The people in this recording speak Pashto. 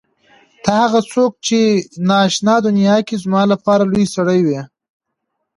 ته هغه څوک چې په نا آشنا دنیا کې زما لپاره لوى سړى وې.